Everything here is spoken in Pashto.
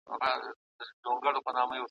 دا لا څه چي ټول دروغ وي ټول ریا وي ,